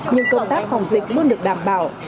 nhưng công tác phòng dịch luôn được đảm bảo